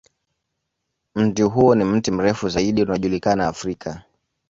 Mti huo ni mti mrefu zaidi unaojulikana Afrika.